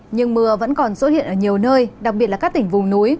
nhưng mưa vẫn còn xuất hiện ở nhiều nơi đặc biệt là các tỉnh vùng núi